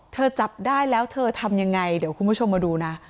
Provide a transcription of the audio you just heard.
จับได้แล้วเธอทำยังไงเดี๋ยวคุณผู้ชมมาดูนะ